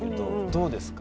どうですか？